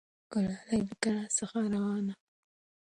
ګلالۍ له کلا څخه راروانه وه.